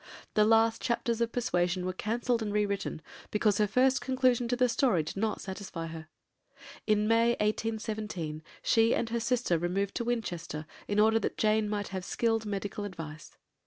The last chapters of Persuasion were cancelled and re written because her first conclusion of the story did not satisfy her. In May 1817 she and her sister removed to Winchester in order that Jane might have skilled medical advice.